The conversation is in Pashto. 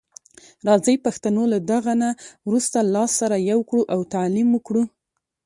راځي پښتنو له دغه نه وروسته لاس سره یو کړو او تعلیم وکړو.